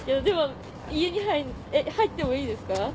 でも家に入ってもいいですか？